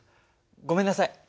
ごめんなさい。